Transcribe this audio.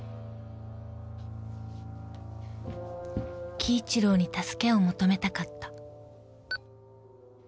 ［輝一郎に助けを求めたかった］